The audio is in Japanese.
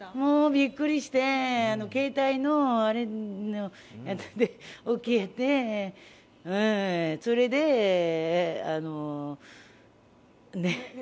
びっくりして携帯のあれで起きてそれで、ね。